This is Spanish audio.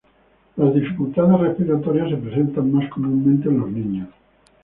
Las dificultades respiratorias se presentan más comúnmente en los niños.